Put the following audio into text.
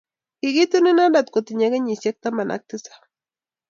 Kikitun inendet kitinye kenyisiek taman ak tisap